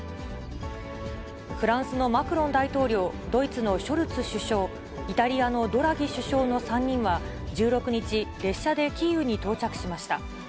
フランスのマクロン大統領、ドイツのショルツ首相、イタリアのドラギ首相の３人は、１６日、列車でキーウに到着しました。